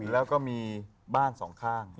แล้วก็มีบ้านสองข้าง